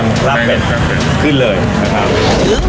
นั่ง